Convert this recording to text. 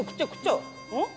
うん？